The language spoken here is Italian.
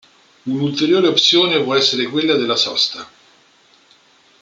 Un'ulteriore opzione può essere quella della sosta.